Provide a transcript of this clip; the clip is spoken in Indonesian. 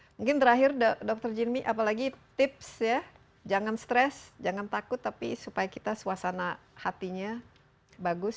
mungkin terakhir dokter jinmi apalagi tips ya jangan stres jangan takut tapi supaya kita suasana hatinya bagus